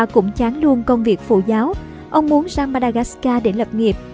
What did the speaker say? ông chán luôn công việc phụ giáo ông muốn sang madagascar để lập nghiệp